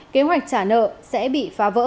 kế hoạch trả nợ sẽ bị phá vỡ